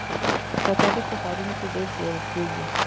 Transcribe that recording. کچالو په ښارونو کې ډېر پلورل کېږي